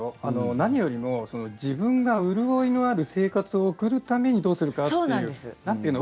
何よりも自分が潤いのある生活を送るためにどうするかということなんですよね。